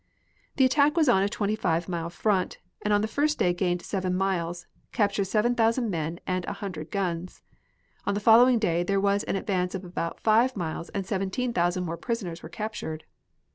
The attack was on a twenty five mile front and on the first day gained seven miles, captured seven thousand men and a hundred guns. On the following day there was an advance of about five miles and seventeen thousand more prisoners were captured.